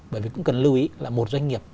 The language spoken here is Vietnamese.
bởi vì cũng cần lưu ý là một doanh nghiệp